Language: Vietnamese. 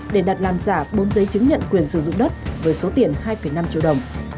để đặt làm giả bốn giấy chứng nhận quyền sử dụng đất với số tiền hai năm triệu đồng